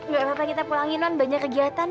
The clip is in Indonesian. gak apa apa kita pulangin non banyak kegiatan